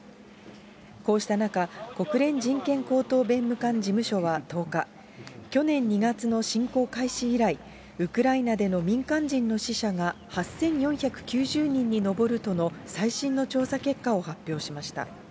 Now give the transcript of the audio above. こうした中、国連人権高等弁務官事務所は１０日、去年２月の侵攻開始以来、ウクライナでの民間人の死者が８４９０人に上るとの最新の調査結果を発表しました。